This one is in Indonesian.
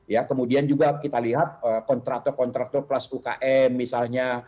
ya kemudian juga kita lihat kontraktor kontraktor kelas ukm misalnya